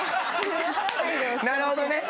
なるほどね。